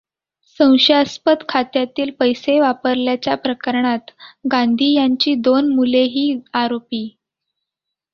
संशयास्पद खात्यातील पैसे वापरल्याच्या प्रकरणात गांधी यांची दोन मुलेही आरोपी.